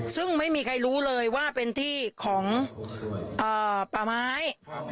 ซึ่งไม่มีใครรู้เลยว่าเป็นที่ของป่าไม้